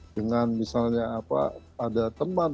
dengan misalnya ada teman